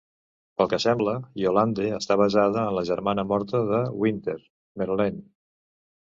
Pel que sembla, Yolande està basada en la germana morta de Wynter, Merlene.